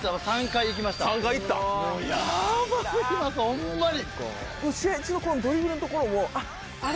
ホンマに！